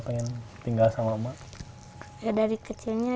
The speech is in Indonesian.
karena dari kecilnya diurus sama emak